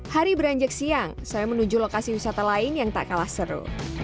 hari beranjak siang saya menuju lokasi wisata lain yang tak kalah seru